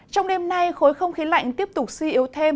trong đêm nay khối không khí lạnh tiếp tục suy yếu thêm